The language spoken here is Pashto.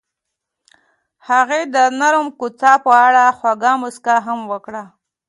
هغې د نرم کوڅه په اړه خوږه موسکا هم وکړه.